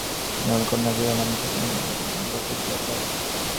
ওসমান গনির কন্যা মিয়া গনির সঙ্গে কথা বলতে চাই।